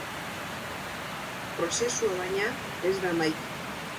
Prozesua, baina, ez da amaitu.